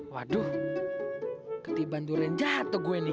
waduh ketibaan durian jatuh gue nih